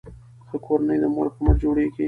ښه کورنۍ د مور په مټ جوړیږي.